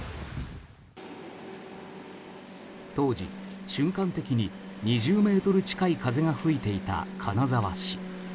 当時、瞬間的に２０メートル近い風が吹いていた金沢市。